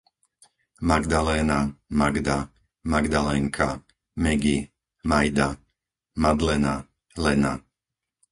Magdaléna, Magda, Magdalénka, Megy, Majda, Madlena, Lena